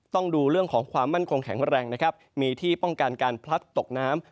ต้องดูเรื่องของความมั่นคงแข็งแรงนะครับมีที่ป้องกันการพลัดตกน้ำ